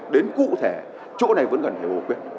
đến cụ thể chỗ này vẫn gần đều hộ quyền